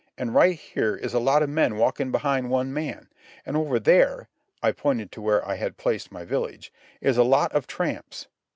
An' right here is a lot of men walkin' behind one man. An' over there"—I pointed to where I had placed my village—"is a lot of tramps.